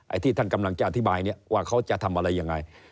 ที่ท่านกำลังจะอธิบายเนี่ยว่าเขาจะทำอะไรยังไง